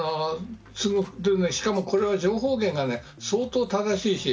しかもこれは情報源が相当正しい。